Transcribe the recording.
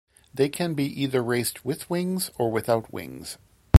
They can be either raced with wings or without wings.